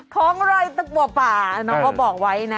ของรอยตะกัวป่าน้องก็บอกไว้นะ